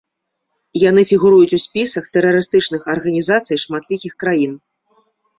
Яны фігуруюць у спісах тэрарыстычных арганізацый шматлікіх краін.